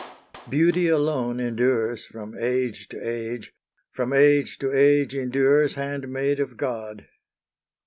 Beauty alone endures from age to age, From age to age endures, handmaid of God.